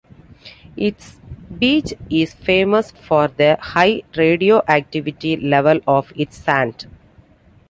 Its beach is famous for the high radioactivity level of its sand.